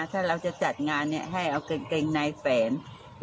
ถ้าเราจะจัดงานให้เอากางเกงในแฝน